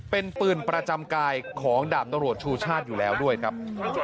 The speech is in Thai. เป็นปืนประจำกายของดาบตำรวจชูชาติอยู่แล้วด้วยครับ